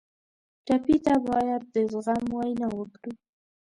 ټپي ته باید د زغم وینا وکړو.